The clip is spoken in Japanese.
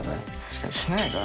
確かにしなやか。